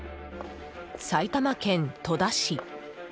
埼玉県戸田市。